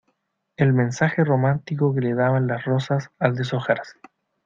el mensaje romántico que le daban las rosas al deshojarse.